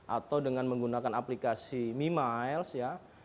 atau dengan menggunakan aplikasi memiles ya